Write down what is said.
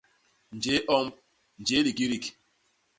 Njéé omb; njéé likidik.